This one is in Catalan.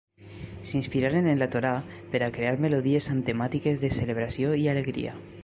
S'inspiraren en la Torà per a crear melodies amb temàtiques de celebració i alegria.